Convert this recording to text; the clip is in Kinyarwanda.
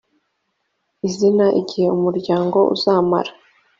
izina igihe umuryango uzamara